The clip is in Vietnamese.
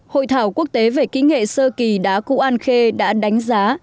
hội thảo quốc tế về kỹ nghệ sơ kỳ đá cụ an khê đã đánh giá